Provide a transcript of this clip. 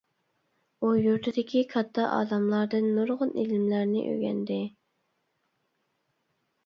ئۇ يۇرتىدىكى كاتتا ئالىملاردىن نۇرغۇن ئىلىملەرنى ئۆگەندى.